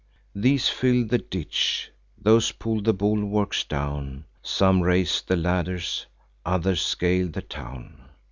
These fill the ditch; those pull the bulwarks down: Some raise the ladders; others scale the town.